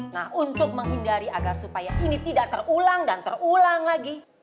nah untuk menghindari agar supaya ini tidak terulang dan terulang lagi